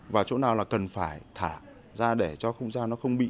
và chỗ nào là cần phải thả ra để cho không gian nó không bị